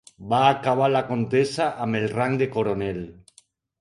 Va acabar la contesa amb el rang de coronel.